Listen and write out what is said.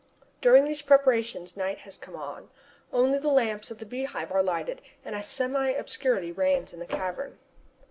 During these preparations night has come on. Only the lamps of the Beehive are lighted and a semi obscurity reigns in the cavern.